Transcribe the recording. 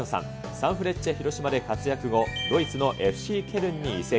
サンフレッチェ広島で活躍後、ドイツのＦＣケルンに移籍。